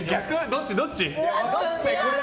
どっちどっち。